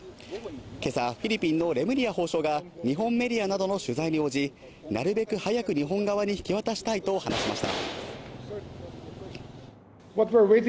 けさ、フィリピンのレムリヤ法相が日本メディアなどの取材に応じ、なるべく早く日本側に引き渡したいと話しました。